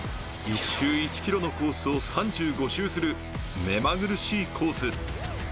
１周１ｋｍのコースを３５周するめまぐるしいコース。